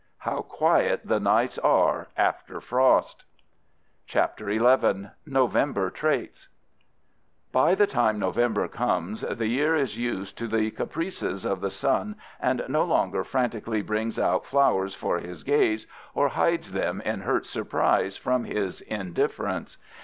How quiet the nights are after frost! CHAPTER XI. NOVEMBER TRAITS By the time November comes the year is used to the caprices of the sun and no longer frantically brings out flowers for his gaze or hides them in hurt surprise from his indifference.